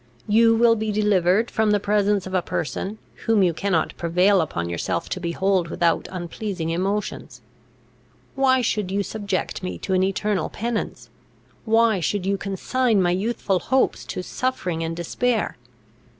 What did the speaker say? You will be delivered from the presence of a person, whom you cannot prevail upon yourself to behold without unpleasing emotions. "Why should you subject me to an eternal penance? Why should you consign my youthful hopes to suffering and despair?